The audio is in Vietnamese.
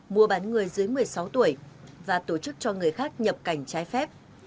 mua bán người dưới một mươi sáu tuổi và tổ chức cho người khác nhập cảnh trái phép